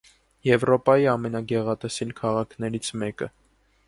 Եվրոպայի ամենագեղատեսիլ քաղաքներից մեկը։